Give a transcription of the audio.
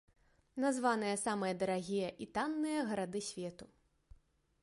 Названыя самыя дарагія і танныя гарады свету.